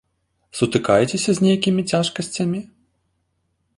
Сутыкаецеся з нейкімі цяжкасцямі?